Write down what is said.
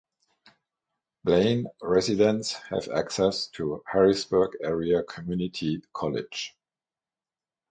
Blain residents have access to Harrisburg Area Community College.